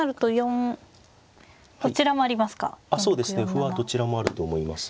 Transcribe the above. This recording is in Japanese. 歩はどちらもあると思います。